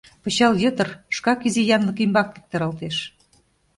Пычал йытыр шкак изи янлык ӱмбак виктаралтеш.